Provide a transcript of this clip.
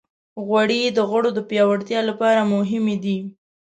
غوړې د غړو د پیاوړتیا لپاره مهمې دي.